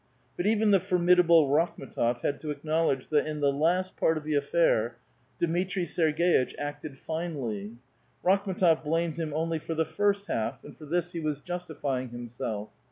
But even the formidable Rakhm^tof had to acknowledge that, in the last part of the affair, Dmitri Serg6itch acted finely. Rakhra6tof blamed him only for the first half, and for this he was justi fying himself.